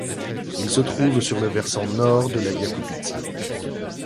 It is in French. Il se trouve sur le versant nord de la Yakoupitsa.